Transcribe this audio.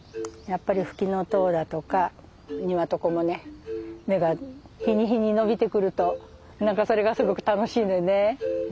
やっぱりフキノトウだとかニワトコもね芽が日に日に伸びてくると何かそれがすごく楽しいのよね。